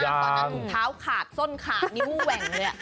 ตอนนั้นถุงเท้าขาดส้นขาดนิ้วแหว่งเลย